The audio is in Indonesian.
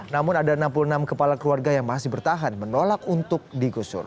namun ada enam puluh enam kepala keluarga yang masih bertahan menolak untuk digusur